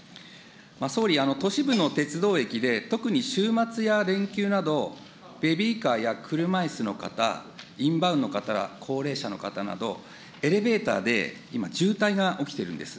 総理、都市部の鉄道駅で、特に週末や連休など、ベビーカーや車いすの方、インバウンドの方、高齢者の方など、エレベーターで今、渋滞が起きているんです。